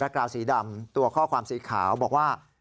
กราวสีดำตัวข้อความสีขาวบอกว่า